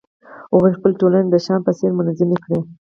هغوی خپلې ټولنې د شیام په څېر منظمې کړې